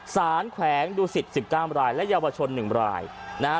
สารแขวงดูศิษย์สิบก้ามรายและเยาวชนหนึ่งรายนะฮะ